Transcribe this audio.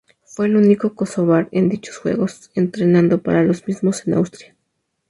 Fue el único kosovar en dichos juegos, entrenando para los mismos en Austria.